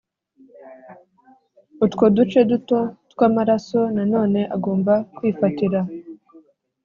Utwo duce duto tw amaraso nanone agomba kwifatira